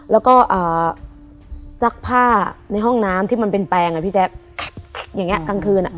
แล้วก็อ่าซักผ้าในห้องน้ำที่มันเป็นแปลงอ่ะพี่แจ๊คอย่างเงี้กลางคืนอ่ะ